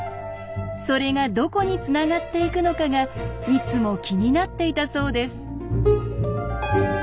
それがどこにつながっていくのかがいつも気になっていたそうです。